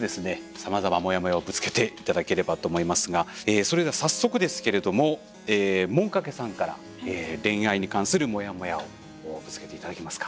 さまざまモヤモヤをぶつけて頂ければと思いますがそれでは早速ですけれどももんかけさんから恋愛に関するモヤモヤをぶつけて頂けますか？